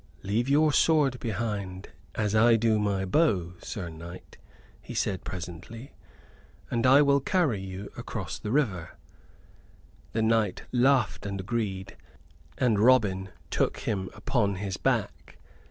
"Leave your sword behind as I do my bow, Sir Knight," he said, presently, "and I will carry you across the river." The knight laughed and agreed, and Robin took him upon his back.